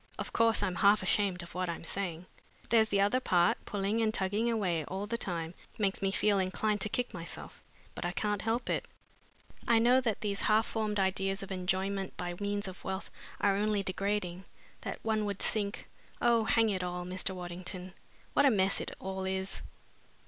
Of course, I'm half ashamed of what I'm saying. There's the other part pulling and tugging away all the time makes me feel inclined to kick myself, but I can't help it. I know that these half formed ideas of enjoyment by means of wealth are only degrading, that one would sink oh, hang it all, Mr. Waddington, what a mess it all is!"